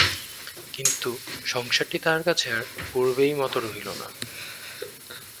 কিন্তু, সংসারটি তাহার কাছে আর পূর্বেই মতো রহিল না।